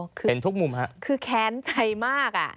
เห็นทุกมุมฮะคือแค้นใจมากอ่ะ